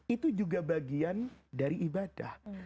itu juga bagian dari ibadah